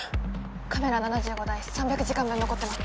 カメラ７５台３００時間分残ってます